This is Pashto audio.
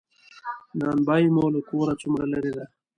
نان بایی مو له کوره څومره لری ده؟